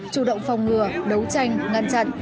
chủ động phòng ngừa đấu tranh ngăn chặn